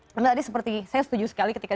karena tadi seperti saya setuju sekali ketika